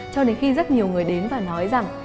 cho đến khi rất nhiều người đến và nói rằng